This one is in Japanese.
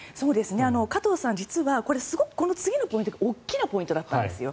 加藤さん、実はこれ、すごくこの次のポイントが大きなポイントだったんです。